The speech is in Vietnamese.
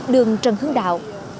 đường trần hướng đạo